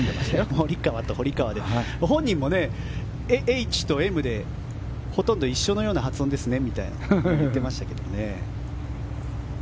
モリカワと堀川で本人もＨとＭでほとんど一緒のような発音ですねみたいに言ってましたが。